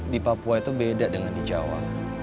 di papua itu beda dengan di jawa